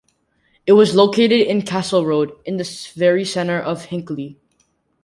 It was located in Castle Road, in the very centre of Hinckley.